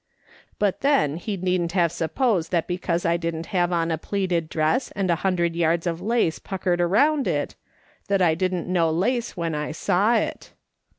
But then he needn't have sup posed that because I didn't have on a pleated dress and a hundred yards of lace puckered around it, that I didn't know lace when I saw it.